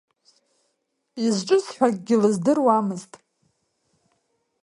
Изҿыз ҳәа акгьы лыздыруамызт.